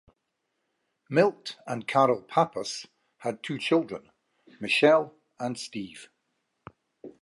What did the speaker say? Milt and Carole Pappas had two children, Michelle and Steve.